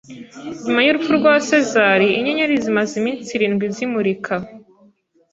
Nyuma y'urupfu rwa Sezari, inyenyeri zimaze iminsi irindwi zimurika.